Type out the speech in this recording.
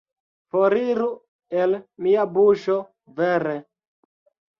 Foriru el mia buŝo, vere!